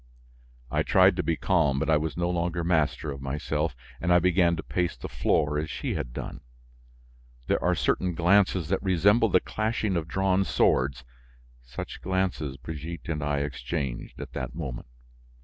I tried to be calm but I was no longer master of myself, and I began to pace the floor as she had done. There are certain glances that resemble the clashing of drawn swords; such glances, Brigitte and I exchanged at that moment.